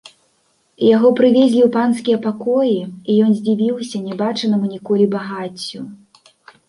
Яго прывезлі ў панскія пакоі, і ён здзівіўся не бачанаму ніколі багаццю.